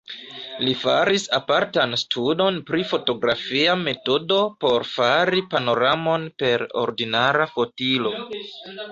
Li faris apartan studon pri fotografia metodo por fari panoramon per ordinara fotilo.